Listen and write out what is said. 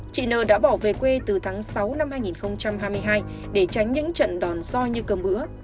chị nơ đã bỏ về quê từ tháng sáu năm hai nghìn hai mươi hai để tránh những trận đòn so như cơm bữa